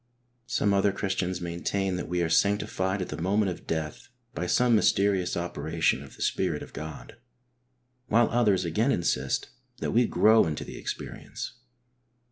Some other Christians maintain that we are sanctified at the moment of death by some mysterious operation of the Spirit of God; while others again insist that we grow into the experience.